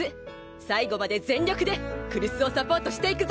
最後まで全力で来栖をサポートしていくぞ！